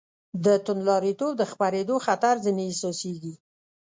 د توندلاریتوب د خپرېدو خطر ځنې احساسېږي.